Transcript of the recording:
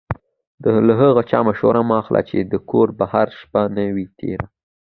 له هغه چا مشوره مه اخلئ چې د کوره بهر شپه نه وي تېره.